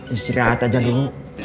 istirahat aja dulu